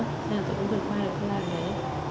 nên là tôi cũng vượt qua được cái nào đấy